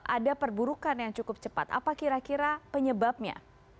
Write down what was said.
ada perburukan yang cukup cepat apa kira kira penyebabnya